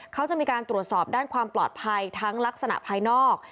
เขาจะมีการตรวจสอบด้านความปลอดภัยทั้งลักษณะภายนอก